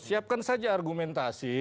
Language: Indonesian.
siapkan saja argumentasi